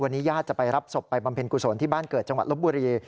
วันนี้ญาติจะไปรับศพไปบำเพ็ญกุศลที่บ้านเกิดจังหวัดลบบุรี